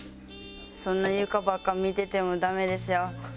そんなに床ばっか見ててもダメですよ。